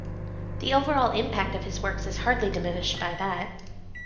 The overall impact of his works is hardly diminished by that.